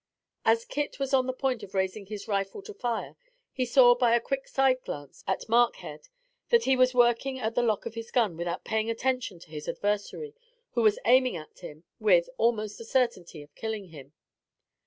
As Kit was on the point of raising his rifle to fire he saw by a quick side glance at Markhead, that he was working at the lock of his gun without paying attention to his adversary who was aiming at him with, almost, a certainty of killing him.